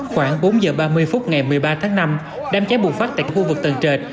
khoảng bốn giờ ba mươi phút ngày một mươi ba tháng năm đám cháy bùng phát tại khu vực tầng trệt